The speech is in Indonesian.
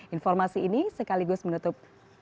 informasi ini sekaligus menutup